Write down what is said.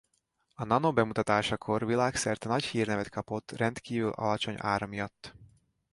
A Nano bemutatásakor világszerte nagy hírnevet kapott rendkívül alacsony ára miatt.